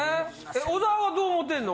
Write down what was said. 小沢はどう思てんの？